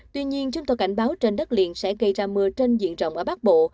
tuy nhiên chúng tôi cảnh báo trên đất liền sẽ gây ra mưa trên diện rộng ở bắc bộ